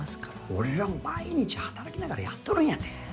俺らも毎日働きながらやっとるんやて。